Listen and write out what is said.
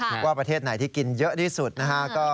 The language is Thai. ถ้าคุณว่าประเทศไหนที่กินเยอะที่สุดก็